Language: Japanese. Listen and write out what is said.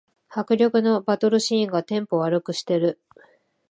迫力のバトルシーンがテンポ悪くしてる